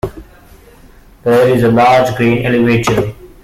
There is a large grain elevator.